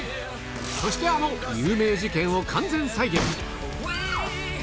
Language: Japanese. そしてあの有名事件を完全再現キャ！